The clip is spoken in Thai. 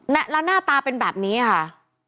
และหน้าตาเป็นแบบนี้ค่ะ